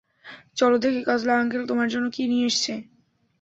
চল দেখি কাজলা আঙ্কেল তোমার জন্য কি নিয়ে এসেছে।